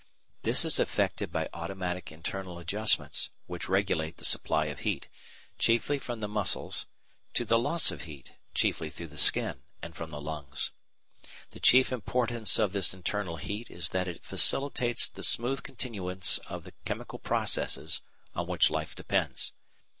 This is effected by automatic internal adjustments which regulate the supply of heat, chiefly from the muscles, to the loss of heat, chiefly through the skin and from the lungs. The chief importance of this internal heat is that it facilitates the smooth continuance of the chemical processes on which life depends.